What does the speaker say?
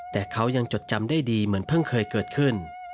แต่เขายังจดจำได้ดีเหมือนเพิ่งเคยเกิดขึ้น